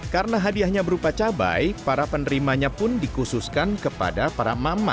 karena hadiahnya berupa cabai para penerimanya pun dikhususkan kepada para mama